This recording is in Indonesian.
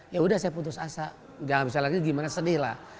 ya udah saya putus asa gak bisa lagi gimana sedih lah